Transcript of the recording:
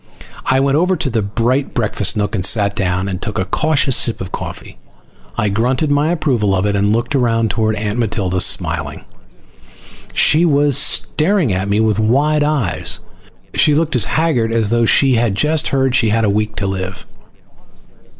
I went over to the bright breakfast nook and sat down, and took a cautious sip of coffee. I grunted my approval of it and looked around toward Aunt Matilda, smiling. She was staring at me with wide eyes. She looked as haggard as though she had just heard she had a week to live.